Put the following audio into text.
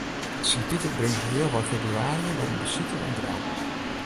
Sint Piter bringt healwei febrewaarje wer syn besite oan Grou.